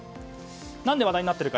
何で話題になっているか。